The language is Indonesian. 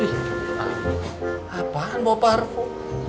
ih apaan bawa parfum